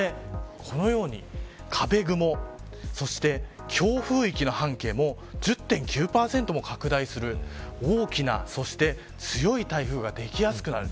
ですので、このように壁雲、そして強風域の半径も１０．９％も拡大する大きな、そして強い台風ができやすくなる。